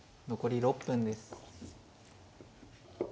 残り６分です。